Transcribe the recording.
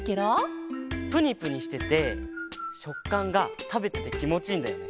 ぷにぷにしててしょっかんがたべててきもちいいんだよね。